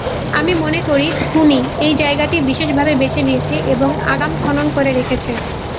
আমি মনে করি খুনি এই জায়গাটি বিশেষভাবে বেছে নিয়েছে এবং আগাম খনন করে রেখেছে।